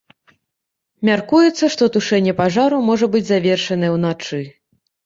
Мяркуецца, што тушэнне пажару можа быць завершанае ўначы.